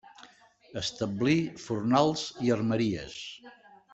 Establí fornals i armeries.